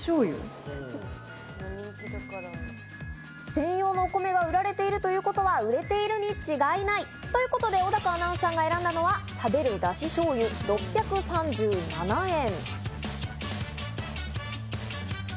専用のお米が売られているということは売れているに違いないということで小高アナウンサーが選んだのは「食べる、だし醤油」６３７円。